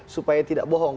supaya tidak bohong